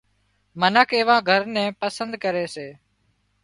منک ايوا گھر نين پسند ڪري سي